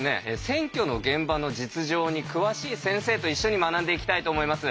選挙の現場の実情に詳しい先生と一緒に学んでいきたいと思います。